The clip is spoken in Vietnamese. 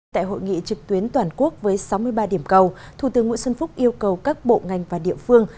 tại hội nghị trực tuyến toàn quốc với sáu mươi ba điểm cầu thủ tướng nguyễn xuân phúc yêu cầu các bộ ngành và địa phương